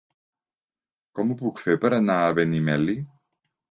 Com ho puc fer per anar a Benimeli?